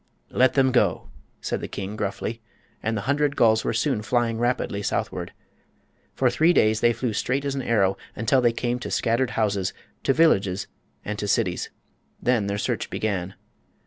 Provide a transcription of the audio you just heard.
"Let them go!" said the king, gruffly. And the hundred gulls were soon flying rapidly southward. For three days they flew straight as an arrow, until they came to scattered houses, to villages, and to cities. Then their search began.